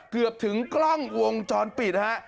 เกือบถึงกล้องวงจรปิดนะฮะ